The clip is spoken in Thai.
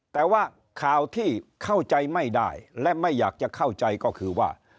แต่ว่าข่าวที่เข้าใจไม่ได้และไม่อยากจะเข้าใจก็คือว่า